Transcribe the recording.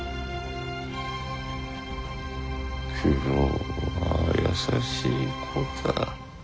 九郎は優しい子だ。